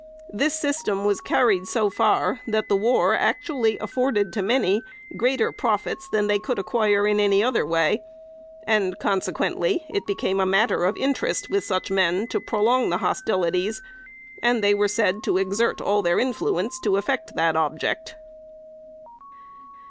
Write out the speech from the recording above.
This system was carried so far, that the war actually afforded to many greater profits than they could acquire in any other way; and consequently it became a matter of interest with such men to prolong hostilities, and they were said to exert all their influence to effect that object.